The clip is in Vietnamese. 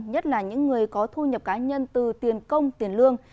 nhất là những người có thu nhập cá nhân từ tiền công tiền lương